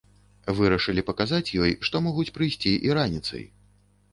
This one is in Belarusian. Вырашылі паказаць ёй, што могуць прыйсці і раніцай.